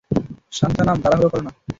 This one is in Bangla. সান্থানাম, তাড়াহুড়া করো না।